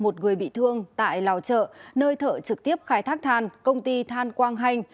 một người bị thương tại lào trợ nơi thợ trực tiếp khai thác than công ty than quang hành